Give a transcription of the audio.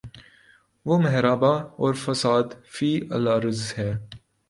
وہ محاربہ اور فساد فی الارض ہے۔